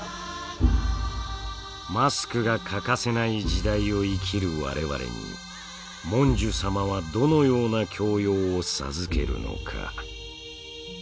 マスクが欠かせない時代を生きる我々にモンジュ様はどのような教養を授けるのか？